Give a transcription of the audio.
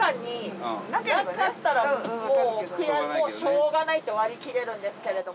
もうしょうがないって割り切れるんですけれども。